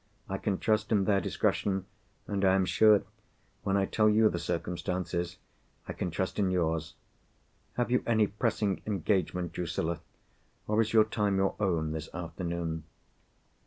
I can trust in their discretion; and I am sure, when I tell you the circumstances, I can trust in yours. Have you any pressing engagement, Drusilla? or is your time your own this afternoon?"